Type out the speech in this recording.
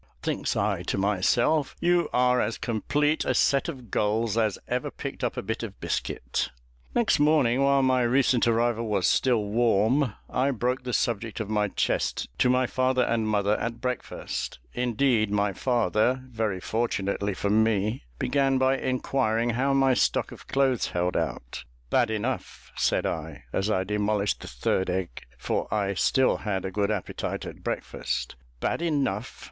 Thinks I to myself, "You are as complete a set of gulls as ever picked up a bit of biscuit!" Next morning, while my recent arrival was still warm, I broke the subject of my chest to my father and mother at breakfast; indeed, my father, very fortunately for me, began by inquiring how my stock of clothes held out. "Bad enough," said I, as I demolished the third egg, for I still had a good appetite at breakfast. "Bad enough!"